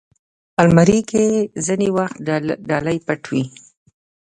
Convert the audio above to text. الماري کې ځینې وخت ډالۍ پټ وي